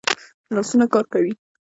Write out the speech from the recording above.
لاسونه کار کوي